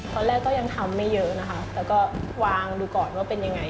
ก็ยังทำไม่เยอะนะคะแล้วก็วางดูก่อนว่าเป็นยังไง